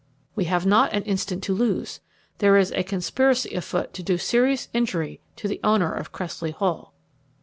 We have not an instant to lose. There is a conspiracy afoot to do serious injury to the owner of Cressley Hall."